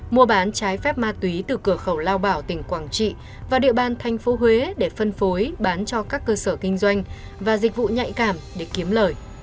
mua bán trái phép ma túy từ cửa khẩu lao bảo tỉnh quảng trị và địa bàn thành phố huế để phân phối bán cho các cơ sở kinh doanh và dịch vụ nhạy cảm để kiếm lời